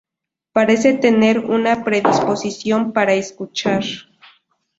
Parece tener una predisposición para escuchar"".